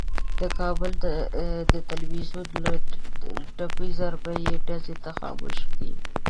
د کابل د ټلوېزیون له تپې ضربهیي ډزې نه خاموشه کېږي.